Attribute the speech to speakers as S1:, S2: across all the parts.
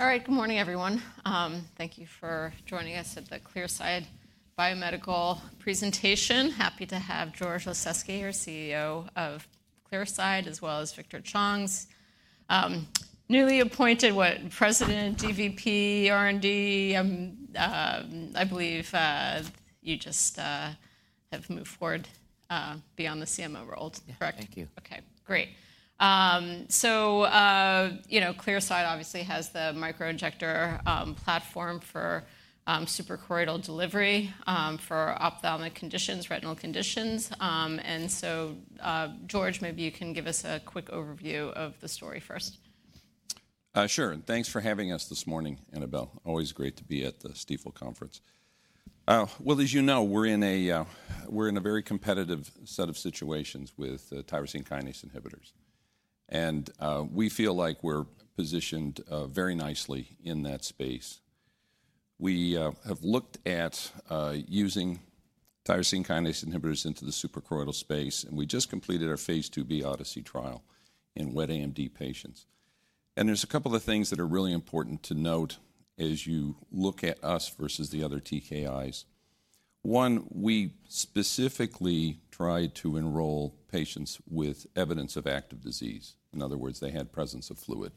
S1: All right, good morning, everyone. Thank you for joining us at the Clearside Biomedical presentation. Happy to have George Lasezkay, our CEO of Clearside, as well as Victor Chong, our newly appointed Executive Vice President, Head of R&D. I believe you just have moved forward beyond the CMO role, correct?
S2: Yes, thank you.
S1: Okay, great. So, you know, Clearside obviously has the microinjector platform for suprachoroidal delivery for ophthalmic conditions, retinal conditions. And so, George, maybe you can give us a quick overview of the story first.
S3: Sure. And thanks for having us this morning, Annabel. Always great to be at the Stifel conference. Well, as you know, we're in a very competitive set of situations with tyrosine kinase inhibitors. And we feel like we're positioned very nicely in that space. We have looked at using tyrosine kinase inhibitors into the suprachoroidal space. And we just completed our phase II-B Odyssey trial in wet AMD patients. And there's a couple of things that are really important to note as you look at us versus the other TKIs. One, we specifically tried to enroll patients with evidence of active disease. In other words, they had presence of fluid.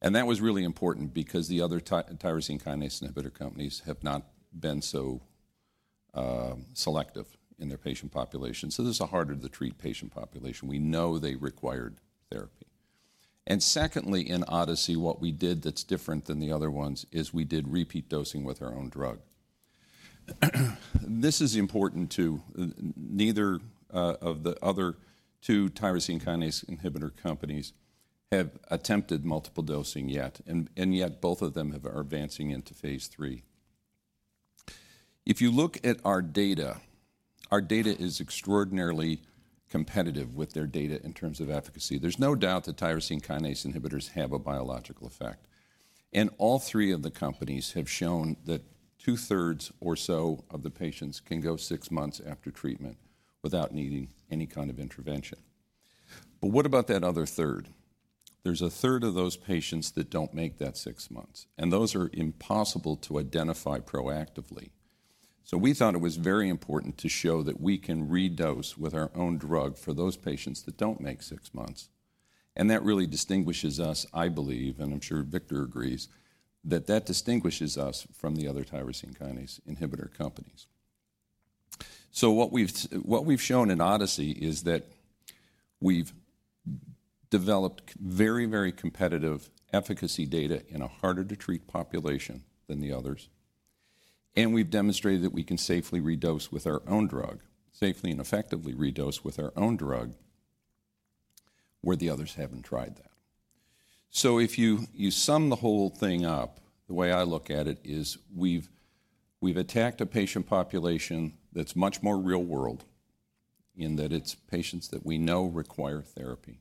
S3: And that was really important because the other tyrosine kinase inhibitor companies have not been so selective in their patient population. So this is a harder-to-treat patient population. We know they required therapy. Secondly, in Odyssey, what we did that's different than the other ones is we did repeat dosing with our own drug. This is important too. Neither of the other two tyrosine kinase inhibitor companies have attempted multiple dosing yet. Yet, both of them are advancing into phase III. If you look at our data, our data is extraordinarily competitive with their data in terms of efficacy. There's no doubt that tyrosine kinase inhibitors have a biological effect. All three of the companies have shown that two-thirds or so of the patients can go six months after treatment without needing any kind of intervention. But what about that other third? There's a third of those patients that don't make that six months. Those are impossible to identify proactively. So we thought it was very important to show that we can redose with our own drug for those patients that don't make six months. And that really distinguishes us, I believe, and I'm sure Victor agrees, that that distinguishes us from the other tyrosine kinase inhibitor companies. So what we've shown in Odyssey is that we've developed very, very competitive efficacy data in a harder-to-treat population than the others. And we've demonstrated that we can safely redose with our own drug, safely and effectively redose with our own drug, where the others haven't tried that. So if you sum the whole thing up, the way I look at it is we've attacked a patient population that's much more real-world in that it's patients that we know require therapy.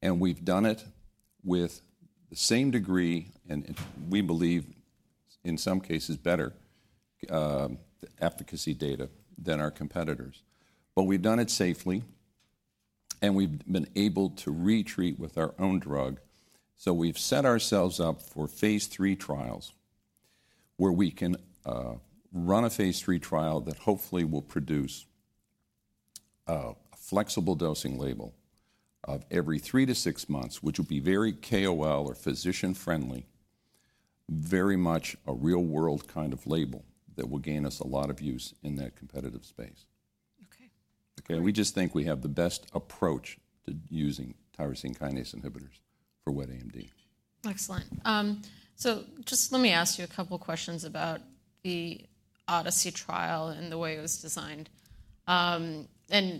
S3: And we've done it with the same degree, and we believe, in some cases, better efficacy data than our competitors. We've done it safely. We've been able to retreat with our own drug. We've set ourselves up for phase III trials, where we can run a phase III trial that hopefully will produce a flexible dosing label of every three to six months, which will be very KOL or physician-friendly, very much a real-world kind of label that will gain us a lot of use in that competitive space.
S1: Okay.
S3: Okay, we just think we have the best approach to using tyrosine kinase inhibitors for wet AMD.
S1: Excellent. So just let me ask you a couple of questions about the Odyssey trial and the way it was designed. And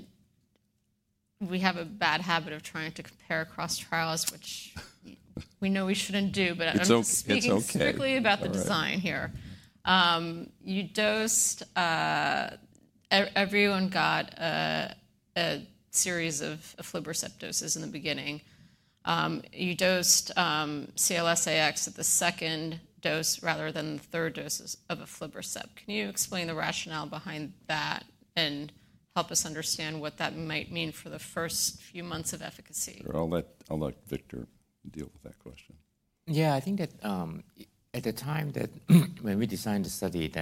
S1: we have a bad habit of trying to compare cross-trials, which we know we shouldn't do.
S3: It's okay.
S1: But it's specifically about the design here. You dosed everyone got a series of aflibercept doses in the beginning. You dosed CLS-AX at the second dose rather than the third dose of aflibercept. Can you explain the rationale behind that and help us understand what that might mean for the first few months of efficacy?
S3: I'll let Victor deal with that question.
S2: Yeah, I think that at the time when we designed the study,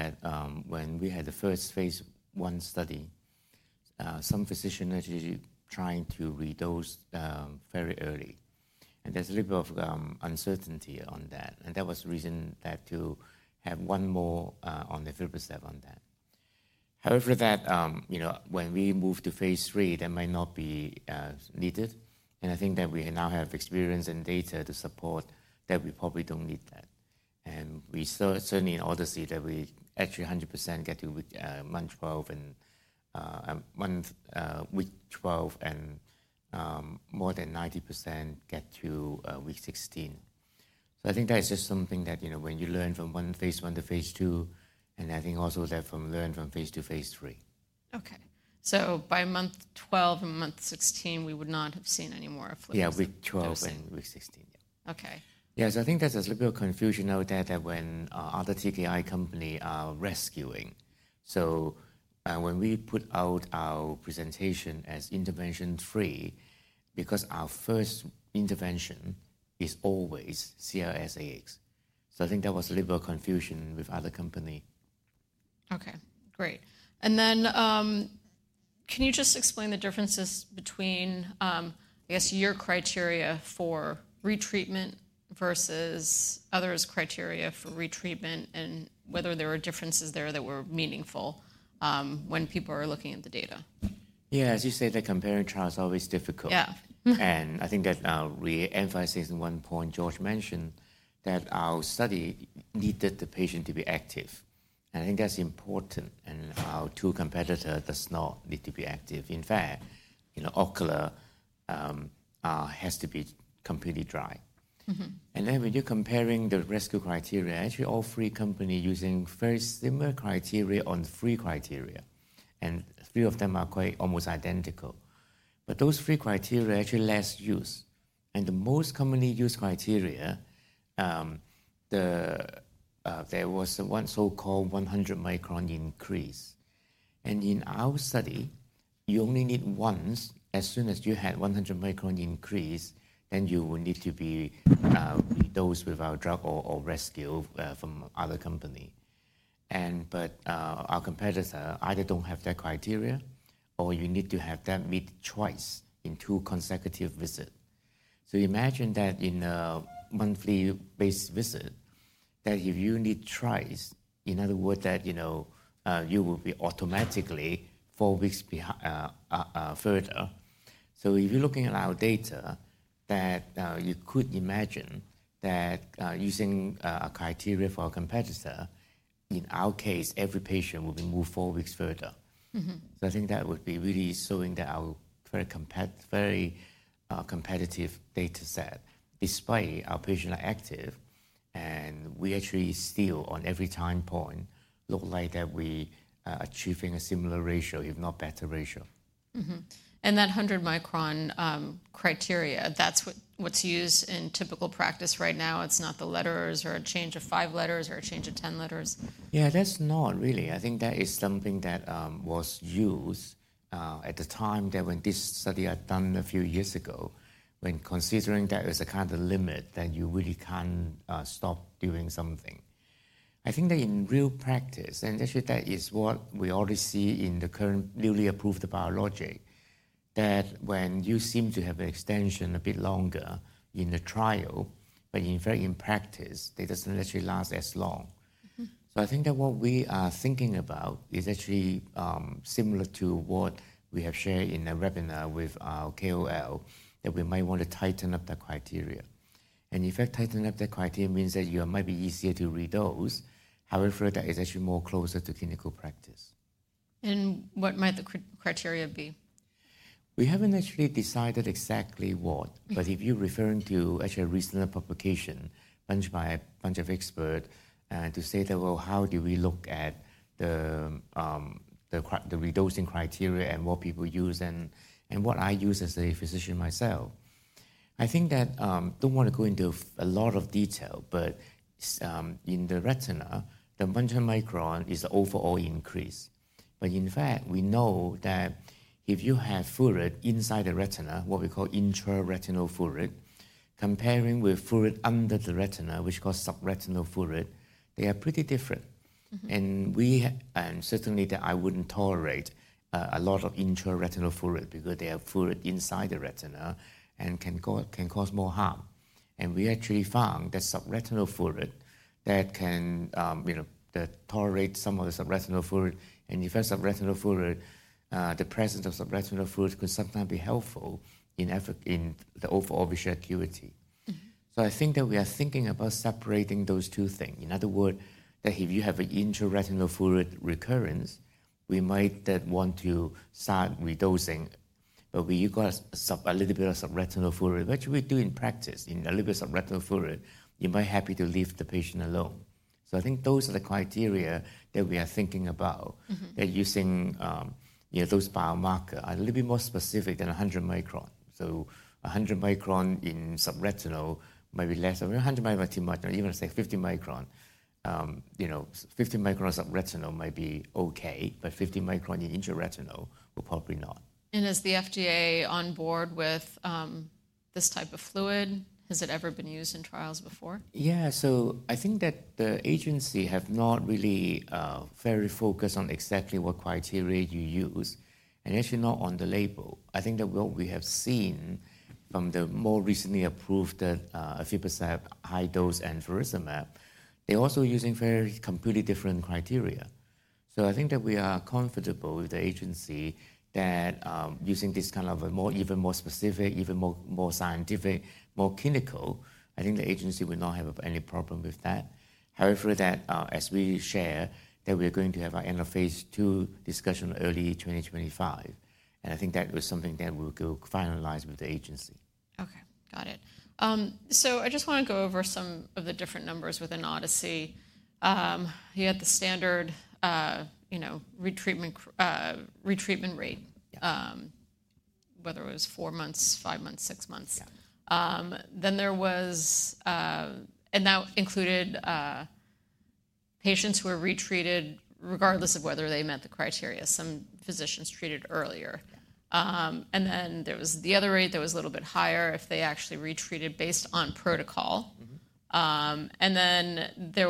S2: when we had the first phase I study, some physicians actually tried to redose very early. And there's a little bit of uncertainty on that. And that was the reason to have one more on the aflibercept on that. However, when we moved to phase III, that might not be needed. And I think that we now have experience and data to support that we probably don't need that. And we certainly in Odyssey that we actually 100% get to month 12 and week 12, and more than 90% get to week 16. So I think that is just something that when you learn from phase I to phase II, and I think also that learn from phase II to phase III.
S1: Okay. So by month 12 and month 16, we would not have seen any more aflibercept.
S2: Yeah, week 12 and week 16, yeah.
S1: Okay.
S2: Yeah, so I think there's a little bit of confusion out there that when other TKI companies are rescuing, so when we put out our presentation as intervention free, because our first intervention is always CLS-AX, so I think that was a little bit of confusion with other companies.
S1: Okay, great. And then can you just explain the differences between, I guess, your criteria for retreatment versus others' criteria for retreatment, and whether there were differences there that were meaningful when people are looking at the data?
S2: Yeah, as you say, that comparing trial is always difficult.
S1: Yeah.
S2: I think that reemphasizing one point George mentioned, that our study needed the patient to be active. I think that's important. Our two competitors do not need to be active. In fact, Ocular has to be completely dry. Then when you're comparing the rescue criteria, actually all three companies are using very similar criteria on three criteria. Three of them are quite almost identical. But those three criteria actually less used. The most commonly used criteria, there was one so-called 100-micron increase. In our study, you only need once. As soon as you had 100-micron increase, then you will need to be redosed with our drug or rescue from other company. But our competitors either don't have that criteria, or you need to have that three times in two consecutive visits. So imagine that in a monthly-based visit, that if you need thrice, in other words, that you will be automatically four weeks further. So if you're looking at our data, that you could imagine that using a criteria for our competitor, in our case, every patient will be moved four weeks further. So I think that would be really showing that our very competitive data set, despite our patients are active, and we actually still, on every time point, look like that we are achieving a similar ratio, if not better ratio.
S1: And that 100-micron criteria, that's what's used in typical practice right now. It's not the letters or a change of five letters or a change of 10 letters.
S2: Yeah, that's not really. I think that is something that was used at the time that when this study was done a few years ago, when considering that as a kind of limit that you really can't stop doing something. I think that in real practice, and actually that is what we already see in the current newly approved biologic, that when you seem to have an extension a bit longer in the trial, but in fact, in practice, it doesn't actually last as long. So I think that what we are thinking about is actually similar to what we have shared in the webinar with our KOL, that we might want to tighten up the criteria. And in fact, tightening up the criteria means that it might be easier to redose. However, that is actually more closer to clinical practice.
S1: What might the criteria be?
S2: We haven't actually decided exactly what, but if you're referring to actually a recent publication, published by a bunch of experts, to say that, well, how do we look at the redosing criteria and what people use and what I use as a physician myself? I think that I don't want to go into a lot of detail, but in the retina, the 100-micron is the overall increase, but in fact, we know that if you have fluid inside the retina, what we call intraretinal fluid, comparing with fluid under the retina, which causes subretinal fluid, they are pretty different, and certainly, that I wouldn't tolerate a lot of intraretinal fluid because they have fluid inside the retina and can cause more harm, and we actually found that subretinal fluid that can tolerate some of the subretinal fluid. In fact, the presence of subretinal fluid could sometimes be helpful in the overall visual acuity. I think that we are thinking about separating those two things. In other words, that if you have an intraretinal fluid recurrence, we might want to start redosing. When you got a little bit of subretinal fluid, which we do in practice, a little bit of subretinal fluid, you might be happy to leave the patient alone. I think those are the criteria that we are thinking about, that using those biomarkers are a little bit more specific than 100 micron. 100 micron in subretinal might be less. 100 micron is too much. Even say 50 micron, 50 micron subretinal might be okay. 50 micron in intraretinal will probably not.
S1: Is the FDA on board with this type of fluid? Has it ever been used in trials before?
S2: Yeah, so I think that the agency has not really very focused on exactly what criteria you use. Actually, not on the label. I think that what we have seen from the more recently approved aflibercept high-dose and Vabysmo, they're also using very completely different criteria. So I think that we are comfortable with the agency that using this kind of a more even more specific, even more scientific, more clinical. I think the agency will not have any problem with that. However, that as we shared that we are going to have our end of phase II discussion early 2025. I think that was something that we'll go finalize with the agency.
S1: Okay, got it. So I just want to go over some of the different numbers within Odyssey. You had the standard retreatment rate, whether it was four months, five months, six months. Then there was, and that included patients who were retreated regardless of whether they met the criteria. Some physicians treated earlier. And then there was the other rate that was a little bit higher if they actually retreated based on protocol. And then there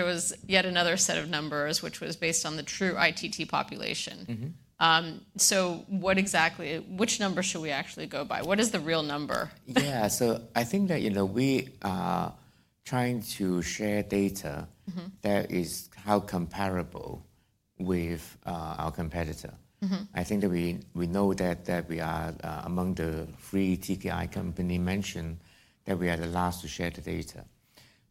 S1: was yet another set of numbers, which was based on the true ITT population. So what exactly, which number should we actually go by? What is the real number?
S2: Yeah, so I think that we are trying to share data that shows how comparable with our competitor. I think that we know that we are among the three TKI companies mentioned that we are the last to share the data.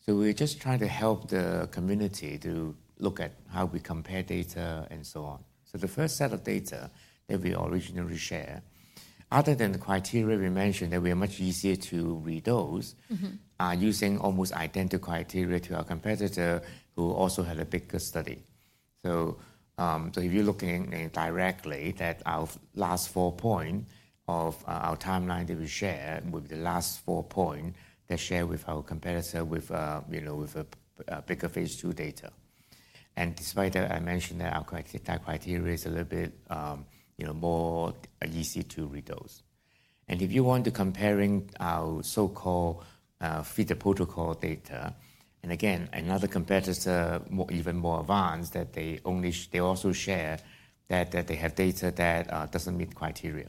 S2: So we're just trying to help the community to look at how we compare data and so on. So the first set of data that we originally shared, other than the criteria we mentioned that we are much easier to redose, are using almost identical criteria to our competitor who also had a bigger study. So if you're looking directly at our last four points of our timeline that we shared, with the last four points that shared with our competitor with a bigger phase II data, and despite that, I mentioned that our criteria is a little bit more easy to redose. If you want to compare our so-called fit protocol data, and again, another competitor, even more advanced, that they also share that they have data that doesn't meet criteria.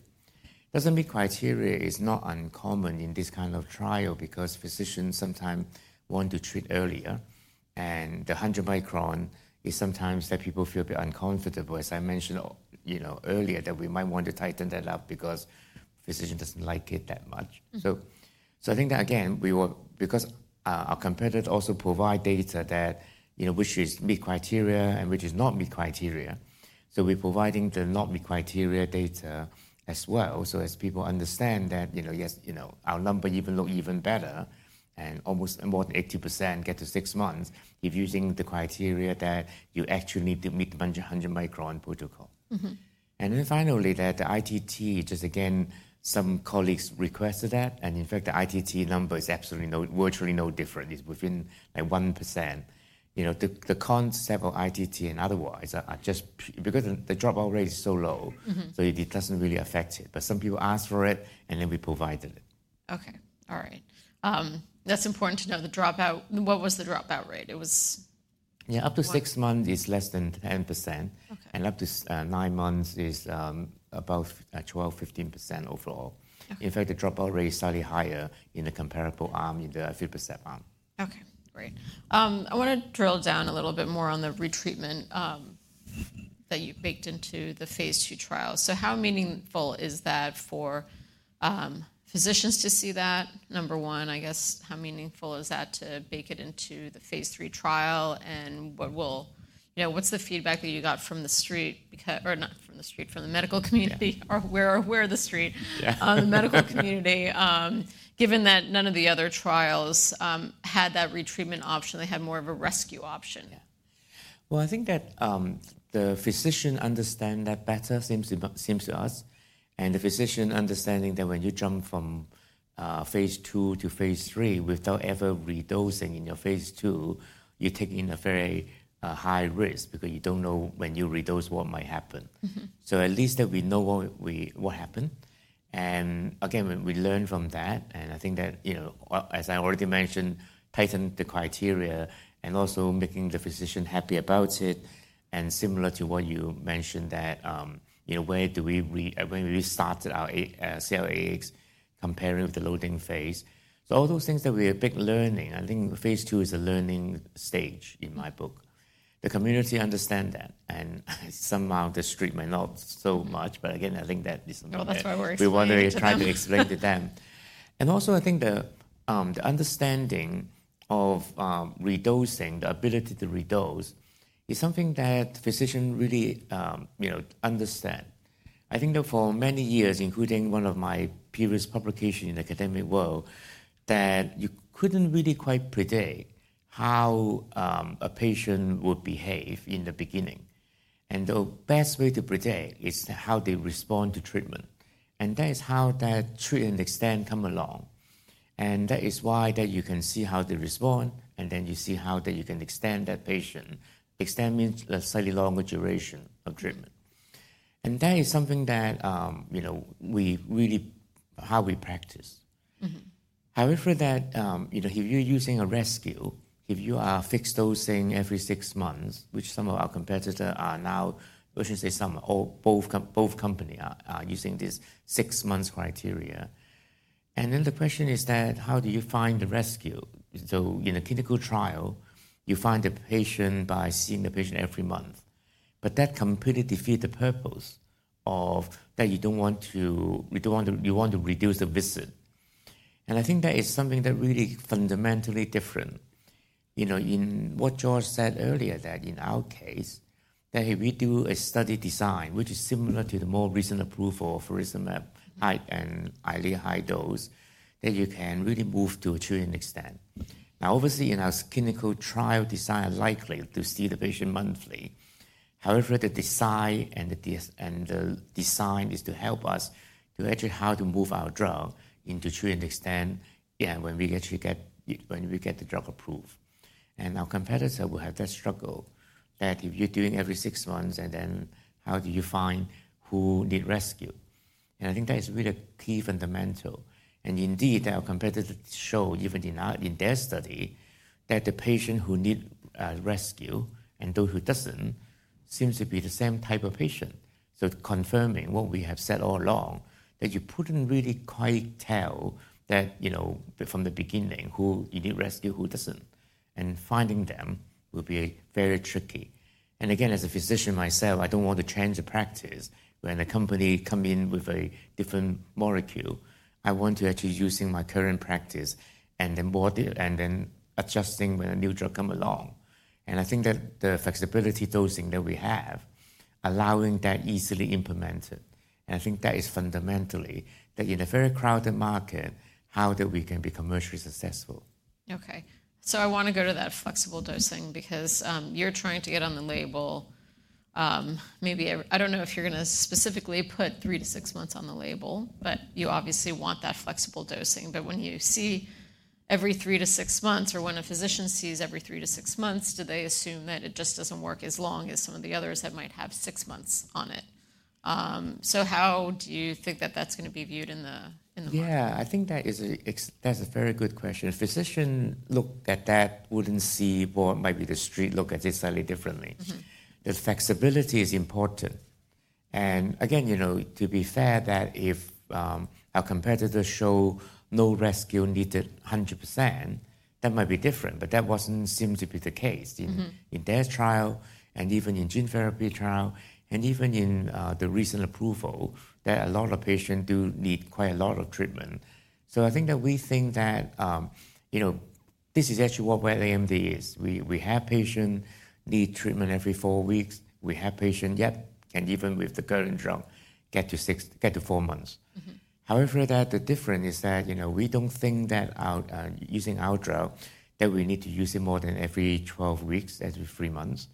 S2: Doesn't meet criteria is not uncommon in this kind of trial because physicians sometimes want to treat earlier. The 100-micron is sometimes that people feel a bit uncomfortable, as I mentioned earlier, that we might want to tighten that up because physicians don't like it that much. So I think that, again, because our competitors also provide data that which is meet criteria and which is not meet criteria. So we're providing the not meet criteria data as well so as people understand that, yes, our number even looks even better. Almost more than 80% get to six months if using the criteria that you actually need to meet the 100-micron protocol. And then finally, that the ITT, just again, some colleagues requested that. And in fact, the ITT number is absolutely virtually no different. It's within 1%. The concept of ITT and otherwise are just because the dropout rate is so low, so it doesn't really affect it. But some people asked for it, and then we provided it.
S1: Okay, all right. That's important to know the dropout. What was the dropout rate? It was.
S2: Yeah, up to six months is less than 10%. And up to nine months is about 12%-15% overall. In fact, the dropout rate is slightly higher in the comparable arm, in the aflibercept arm.
S1: Okay, great. I want to drill down a little bit more on the retreatment that you baked into the phase II trial. So how meaningful is that for physicians to see that? Number one, I guess, how meaningful is that to bake it into the phase III trial? And what's the feedback that you got from the street? Or not from the street, from the medical community. We're the street on the medical community, given that none of the other trials had that retreatment option. They had more of a rescue option.
S2: Yeah. Well, I think that the physician understands that better, seems to us. And the physician understanding that when you jump from phase II to phase III without ever redosing in your phase II, you're taking a very high risk because you don't know when you redose what might happen. So at least that we know what happened. And again, we learned from that. And I think that, as I already mentioned, tighten the criteria and also making the physician happy about it. And similar to what you mentioned, that where do we start our CLS-AX comparing with the loading phase. So all those things that we are big learning, I think phase II is a learning stage in my book. The community understands that. And somehow the street might not so much. But again, I think that is something that we want to try to explain to them. Also, I think the understanding of redosing, the ability to redose, is something that physicians really understand. I think that for many years, including one of my previous publications in the academic world, that you couldn't really quite predict how a patient would behave in the beginning. The best way to predict is how they respond to treatment. And that is how that treat-and-extend comes along. And that is why that you can see how they respond, and then you see how that you can extend that patient. Extend means a slightly longer duration of treatment. And that is something that we really, how we practice. However, if you're using a rescue, if you are fixed dosing every six months, which some of our competitors are now, I should say some, or both, companies are using this six-month criteria. The question is that how do you find the rescue. So in a clinical trial, you find the patient by seeing the patient every month. But that completely defeats the purpose of that you don't want to. You want to reduce the visit. I think that is something that really fundamentally different. Unlike what George said earlier, in our case, if we do a study design which is similar to the more recent approval of Vabysmo and Eylea high-dose, you can really move to a treat-and-extend. Now, obviously, in our clinical trial, they are likely to see the patient monthly. However, the design is to help us actually see how to move our drug into treat-and-extend when we actually get the drug approved. Our competitors will have that struggle that if you're doing every six months, and then how do you find who need rescue? And I think that is really a key fundamental. And indeed, our competitors show, even in their study, that the patient who needs rescue and those who don't seem to be the same type of patient. So confirming what we have said all along, that you couldn't really quite tell that from the beginning who you need rescue, who doesn't. And finding them will be very tricky. And again, as a physician myself, I don't want to change the practice when a company comes in with a different molecule. I want to actually use my current practice and then adjusting when a new drug comes along. And I think that the flexibility dosing that we have, allowing that easily implemented. I think that is fundamentally, in a very crowded market, how we can be commercially successful.
S1: Okay. So I want to go to that flexible dosing because you're trying to get on the label. Maybe I don't know if you're going to specifically put three to six months on the label, but you obviously want that flexible dosing. But when you see every three to six months, or when a physician sees every three to six months, do they assume that it just doesn't work as long as some of the others that might have six months on it? So how do you think that that's going to be viewed in the market?
S2: Yeah, I think that is a very good question. A physician looking at that wouldn't see what the Street might look at it slightly differently. The flexibility is important. And again, to be fair, if our competitors show no rescue needed 100%, that might be different. But that doesn't seem to be the case in their trial and even in gene therapy trial. And even in the recent approval, a lot of patients do need quite a lot of treatment. So I think that we think that this is actually wet AMD is. We have patients need treatment every four weeks. We have patients, yep, can even with the current drug get to four months. However, the difference is that we don't think that using our drug, that we need to use it more than every 12 weeks or three months.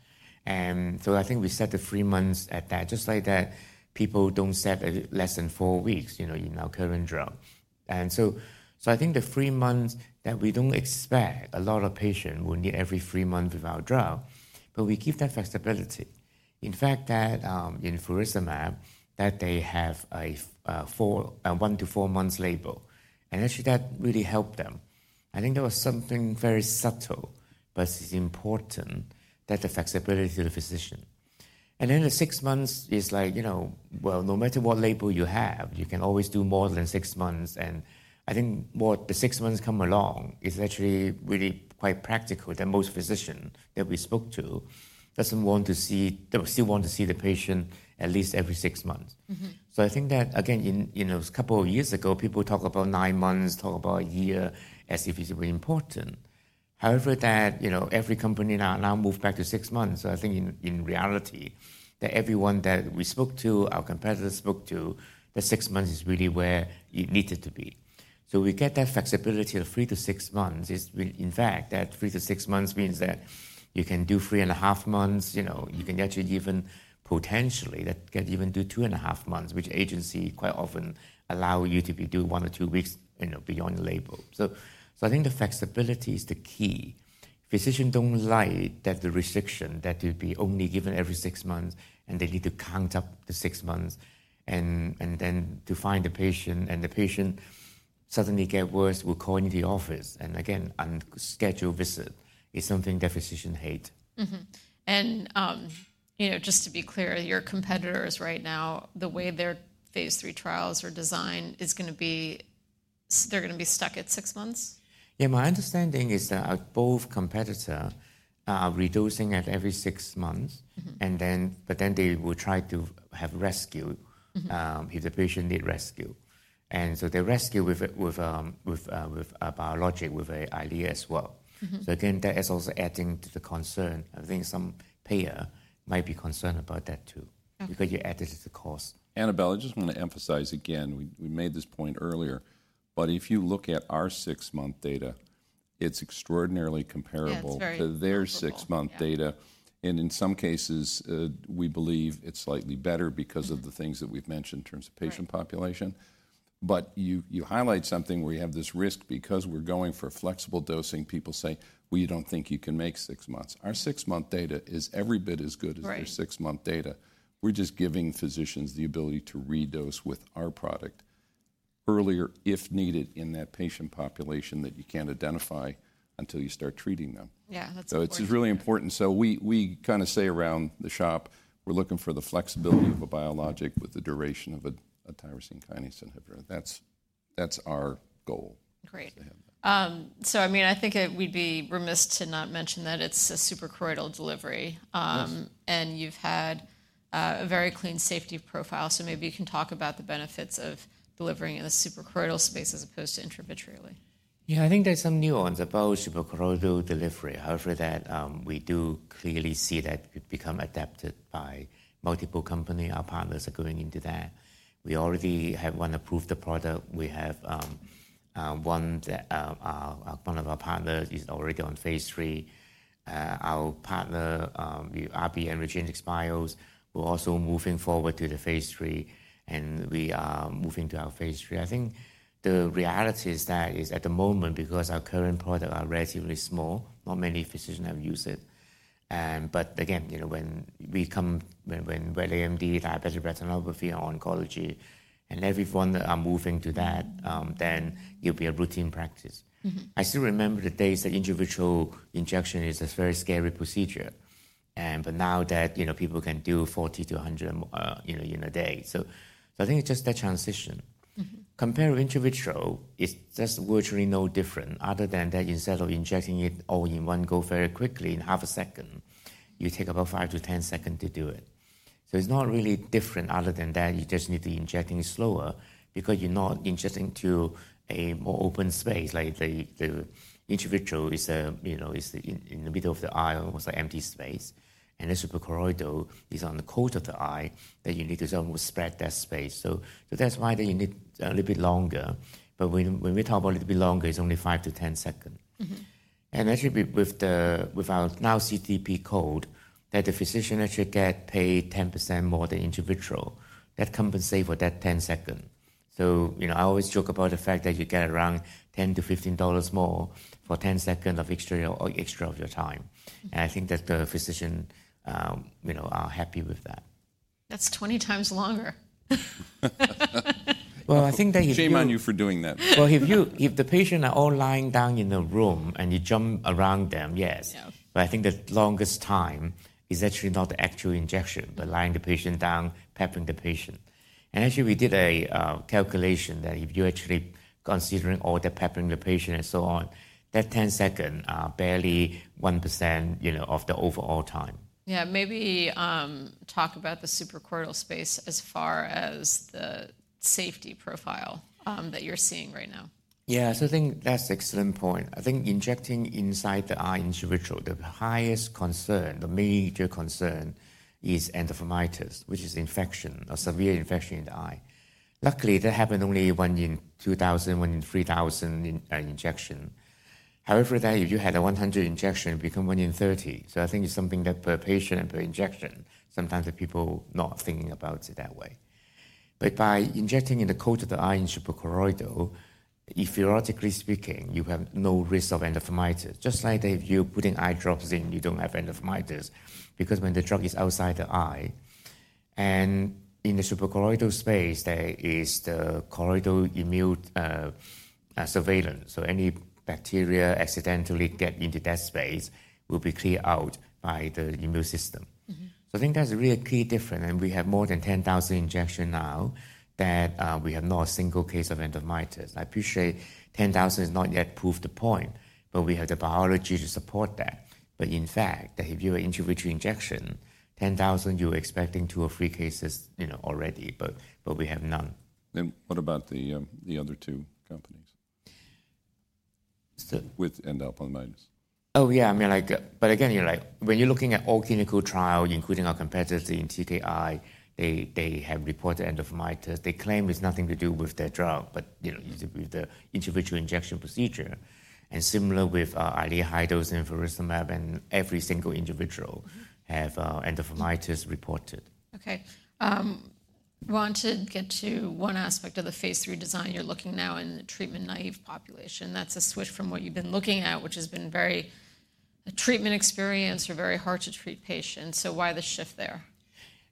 S2: And so I think we set the three months at that. Just like that, people don't set less than four weeks in our current drug. And so I think the three months that we don't expect a lot of patients will need every three months with our drug, but we keep that flexibility. In fact, that in Vabysmo, that they have a one to four months label. And actually, that really helped them. I think that was something very subtle, but it's important that the flexibility of the physician. And then the six months is like, well, no matter what label you have, you can always do more than six months. And I think what the six months come along is actually really quite practical that most physicians that we spoke to doesn't want to see, they still want to see the patient at least every six months. So, I think that, again, a couple of years ago, people talk about nine months, talk about a year as if it's really important. However, that every company now moved back to six months. So, I think in reality, that everyone that we spoke to, our competitors spoke to, the six months is really where it needed to be. So, we get that flexibility of three to six months. In fact, that three to six months means that you can do 3.5 months. You can actually even potentially that can even do 2.5 months, which agency quite often allow you to do one or two weeks beyond the label. So, I think the flexibility is the key. Physicians don't like that the restriction that to be only given every six months, and they need to count up the six months. Then to find the patient, and the patient suddenly get worse, will call into the office. Again, unscheduled visit is something that physicians hate.
S1: Just to be clear, your competitors right now, the way their phase III trials are designed, is going to be, they're going to be stuck at six months?
S2: Yeah, my understanding is that both competitors are reducing at every six months. But then they will try to have rescue if the patient needs rescue. And so they rescue with a biologic with an Eylea as well. So again, that is also adding to the concern. I think some payer might be concerned about that too because you added to the cost.
S3: Annabel, I just want to emphasize again, we made this point earlier. But if you look at our six-month data, it's extraordinarily comparable to their six-month data. And in some cases, we believe it's slightly better because of the things that we've mentioned in terms of patient population. But you highlight something where you have this risk because we're going for flexible dosing, people say, "We don't think you can make six months." Our six-month data is every bit as good as their six-month data. We're just giving physicians the ability to redose with our product earlier if needed in that patient population that you can't identify until you start treating them. So it's really important. So we kind of say around the shop, we're looking for the flexibility of a biologic with the duration of a tyrosine kinase inhibitor. That's our goal.
S1: Great. So I mean, I think it would be remiss to not mention that it's a suprachoroidal delivery. And you've had a very clean safety profile. So maybe you can talk about the benefits of delivering in a suprachoroidal space as opposed to intravitreally.
S2: Yeah, I think there's some nuance about suprachoroidal delivery. However, we do clearly see that it becomes adopted by multiple companies. Our partners are going into that. We already have one approved product. We have one that one of our partners is already on phase III. Our partner, REGENXBIO, we're also moving forward to the phase III. And we are moving to our phase III. I think the reality is that, at the moment, because our current products are relatively small, not many physicians have used it. But again, when we come to AMD, diabetic retinopathy, oncology, and everyone that are moving to that, then it'll be a routine practice. I still remember the days that intravitreal injection is a very scary procedure. But now that people can do 40 to 100 in a day. So I think it's just that transition. Compare intravitreal, it's just virtually no different other than that instead of injecting it all in one go very quickly in half a second, you take about five to 10 seconds to do it. So it's not really different other than that you just need to injecting slower because you're not injecting to a more open space. Like the intravitreal is in the middle of the eye, almost an empty space. And the suprachoroidal is on the coat of the eye that you need to sort of spread that space. So that's why that you need a little bit longer. But when we talk about a little bit longer, it's only five to 10 seconds. And actually, with our new CPT code, that the physician actually gets paid 10% more than intravitreal. That compensates for that 10 seconds. So I always joke about the fact that you get around $10-$15 more for 10 seconds extra of your time. And I think that the physicians are happy with that.
S1: That's 20 times longer.
S2: Well, I think that.
S3: Shame on you for doing that.
S2: If the patients are all lying down in the room and you jump around them, yes. I think the longest time is actually not the actual injection, but lying the patient down, prepping the patient. We did a calculation that if you actually consider all the prepping the patient and so on, that 10 seconds are barely 1% of the overall time.
S1: Yeah, maybe talk about the suprachoroidal space as far as the safety profile that you're seeing right now.
S2: Yeah, so I think that's an excellent point. I think injecting inside the eye intravitreal, the highest concern, the major concern is endophthalmitis, which is infection, a severe infection in the eye. Luckily, that happened only one in 2000, one in 3000 injection. However, that, if you had a 100 injection, it becomes one in 30. So I think it's something that per patient and per injection. Sometimes people not thinking about it that way. But by injecting in the coat of the eye in suprachoroidal, theoretically speaking, you have no risk of endophthalmitis. Just like if you're putting eye drops in, you don't have endophthalmitis because when the drug is outside the eye. And in the suprachoroidal space, there is the choroidal immune surveillance. So any bacteria accidentally get into that space will be cleared out by the immune system. So I think that's really a key difference. And we have more than 10,000 injections now that we have not a single case of endophthalmitis. I appreciate 10,000 is not yet proved the point, but we have the biology to support that. But in fact, that if you have intravitreal injection, 10,000, you're expecting two or three cases already, but we have none.
S3: What about the other two companies?
S2: So.
S3: With endophthalmitis.
S2: Oh, yeah. I mean, but again, when you're looking at all clinical trials, including our competitors in TKI, they have reported endophthalmitis. They claim it's nothing to do with their drug, but with the intravitreal injection procedure. And similar with Eylea high dose and Vabysmo, and every single individual have endophthalmitis reported.
S1: Okay. Want to get to one aspect of the phase III design you're looking now in the treatment-naive population. That's a switch from what you've been looking at, which has been very treatment-experienced or very hard to treat patients, so why the shift there?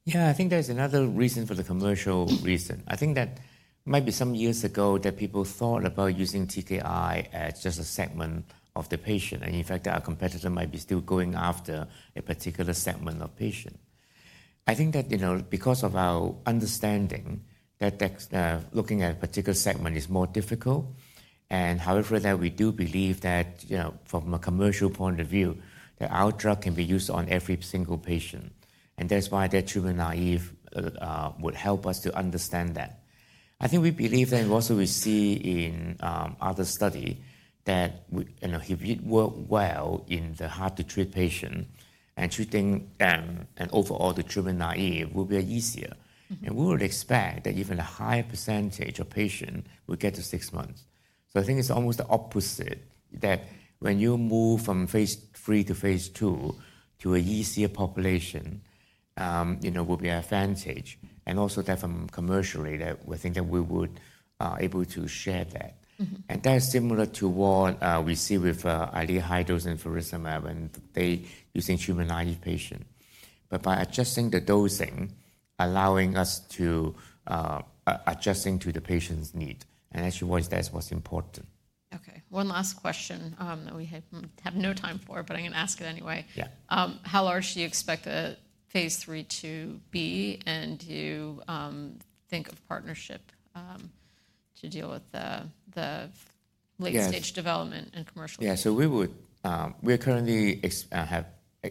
S2: Yeah, I think there's another reason for the commercial reason. I think that maybe some years ago that people thought about using TKI as just a segment of the patient. And in fact, our competitor might be still going after a particular segment of patient. I think that because of our understanding that looking at a particular segment is more difficult. And however, that we do believe that from a commercial point of view, that our drug can be used on every single patient. And that's why that treatment naive would help us to understand that. I think we believe that also we see in other studies that if it worked well in the hard to treat patient and treating them and overall the treatment naive will be easier. And we would expect that even a higher percentage of patients will get to six months. I think it's almost the opposite, that when you move from phase III to phase II to a naïve population, it will be an advantage. Also, commercially, we think that we would be able to share that. That's similar to what we see with Eylea high dose and Vabysmo when they're using treatment-naïve patients. By adjusting the dosing, allowing us to adjust to the patient's need. Actually, that's what's important.
S1: Okay. One last question that we have no time for, but I'm going to ask it anyway. How large do you expect the phase III to be? And do you think of partnership to deal with the late-stage development and commercial?
S2: Yeah, so we're currently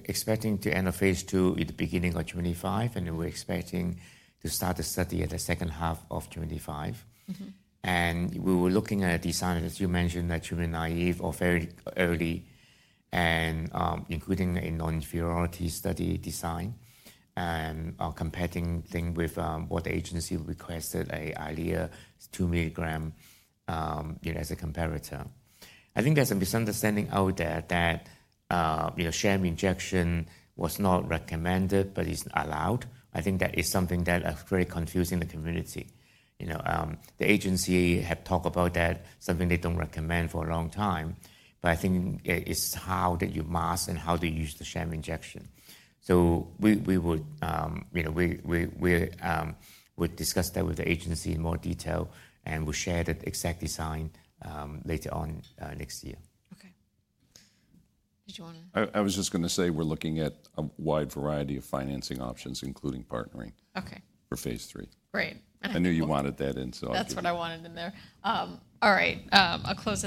S2: expecting to enter phase II at the beginning of 2025. And we're expecting to start the study in the second half of 2025. And we were looking at a design, as you mentioned, that treatment-naive or very early, including a non-inferiority study design and are competing with what the agency requested, an Eylea 2 milligram as a comparator. I think there's a misunderstanding out there that sham injection was not recommended, but it's allowed. I think that is something that is very confusing in the community. The agency had talked about that, something they don't recommend for a long time. But I think it's how that you mask and how to use the sham injection. So we would discuss that with the agency in more detail. And we'll share that exact design later on next year.
S1: Okay. Did you want to?
S3: I was just going to say we're looking at a wide variety of financing options, including partnering for phase III.
S1: Okay. Great.
S3: I knew you wanted that in, so I'll do that.
S1: That's what I wanted in there. All right. A close.